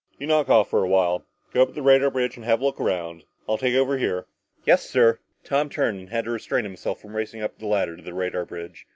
"You knock off for a while. Go up to the radar bridge and have a look around. I'll take over here." "Yes, sir." Tom turned and had to restrain himself from racing up the ladder to the radar bridge.